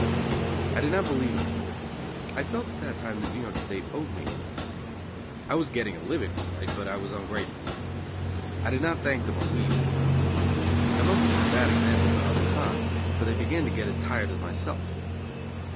I did not believe in work. I felt at that time that New York State owed me a living. I was getting a living all right, but I was ungrateful. I did not thank them a wee bit. I must have been a bad example to other "cons," for they began to get as tired as myself.